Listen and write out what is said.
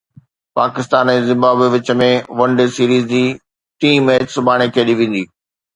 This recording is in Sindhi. پاڪستان ۽ زمبابوي وچ ۾ ون ڊي سيريز جي ٽئين ميچ سڀاڻي کيڏي ويندي